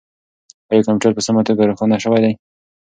آیا کمپیوټر په سمه توګه روښانه شوی دی؟